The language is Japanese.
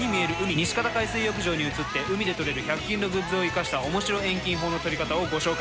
西方海水浴場に移って海で撮れる１００均のグッズを活かしたおもしろ遠近法の撮り方をご紹介！